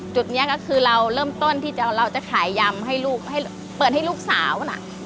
จุดนี้เริ่มต้นที่เราจะขายยำเปิดให้ลูกสาวนะ